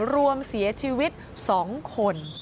รวมเสียชีวิต๒คน